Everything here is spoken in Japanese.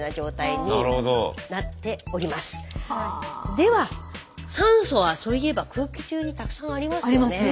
では酸素はそういえば空気中にたくさんありますよね。